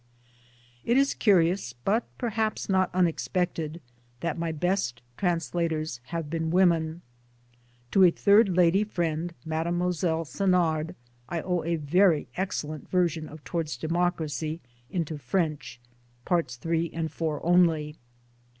It is curious, but perhaps not unexpected, that my best translators have been women. To a third lady friend, Mademoiselle Senard, I owe a very ex cellent version of Towards Democracy into French 1 (Parts III and IV only).